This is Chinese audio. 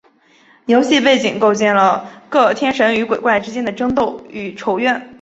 游戏背景构建了各天神与鬼怪之间的争斗与仇怨。